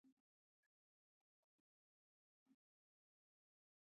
ښوونیز مرکزونه د نوو پوهانو روزنه کوي.